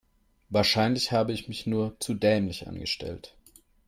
Wahrscheinlich habe ich mich nur zu dämlich angestellt.